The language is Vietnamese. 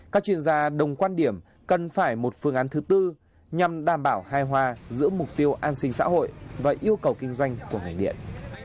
các chuyên gia đồng quan điểm cần phải một phương án thứ tư nhằm đảm bảo hai hòa giữa mục tiêu an sinh xã hội và yêu cầu kinh doanh của ngành điện